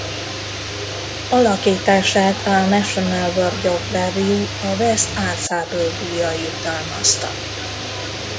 Alakítását a National Board of Review a Best Ensemble díjjal jutalmazta.